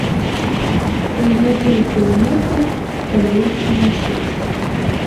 Гняздуюцца ў норках, палююць уначы.